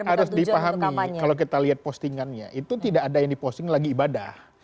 jadi harus dipahami kalau kita lihat postingannya itu tidak ada yang diposting lagi ibadah